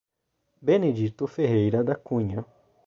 Benedito Ferreira da Cunha